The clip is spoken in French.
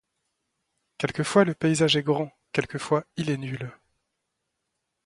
Quelquefois le paysage est grand, quelquefois il est nul.